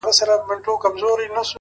خو د غوجلې ځای لا هم چوپ او خالي دی,